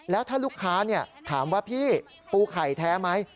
แล้วถ้าลูกค้าถามว่าพี่ปูไข่แท้ไหม